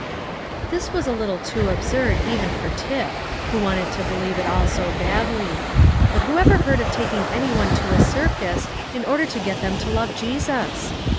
This was a little too absurd, even for Tip, who wanted to believe it all so badly; but who ever heard of taking any one to a circus in order to get them to love Jesus?